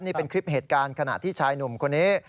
นี่เป็นคลิปเหตุการณ์ขณะที่ชายหนุ่มคนนี้